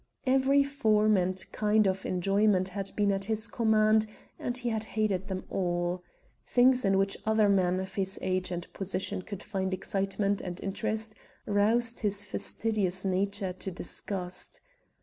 Every form and kind of enjoyment had been at his command and he had hated them all. Things in which other men of his age and position could find excitement and interest roused his fastidious nature to disgust.